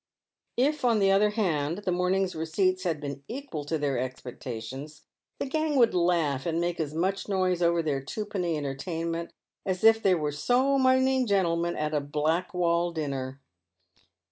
If, on the other hand, the morning's receipts had been equal to their expectations, the gang would laugh and make as much noise over their twopenny entertainment as if they w r ere so many gentle men at a Blackwall dinner.